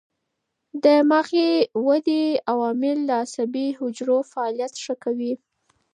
دماغي ودې عوامل د عصبي حجرو فعالیت ښه کوي.